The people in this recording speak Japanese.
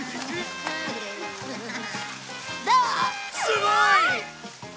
すごい！